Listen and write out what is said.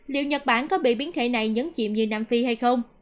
liệu nhật bản có bị biến thể này nhấn chìm như nam phi hay không